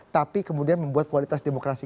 tapi kemudian membuat kualitas demokrasi